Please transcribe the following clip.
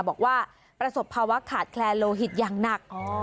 บอกว่าประสบภาวะขาดแคลนโลหิตอย่างหนัก